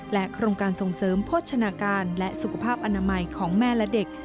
โครงการส่งเสริมโภชนาการและสุขภาพอนามัยของแม่และเด็ก